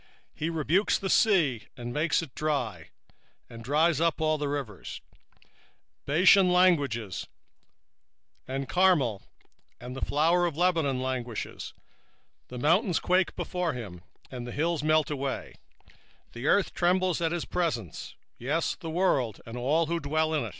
1:4 He rebuketh the sea, and maketh it dry, and drieth up all the rivers: Bashan languisheth, and Carmel, and the flower of Lebanon languisheth. 1:5 The mountains quake at him, and the hills melt, and the earth is burned at his presence, yea, the world, and all that dwell therein.